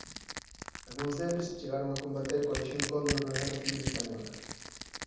Algúns deles chegaron a combater coa Lexión Cóndor na Guerra Civil Española.